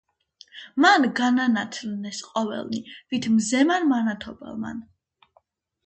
მან განანათლნეს ყოველნი, ვით მზემან მანათობელმან.